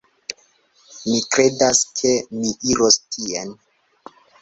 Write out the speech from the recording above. Mi kredas, ke mi iros tien.